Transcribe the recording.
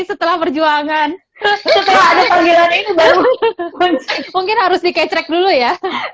setelah perjuangan mungkin harus dikecek dulu ya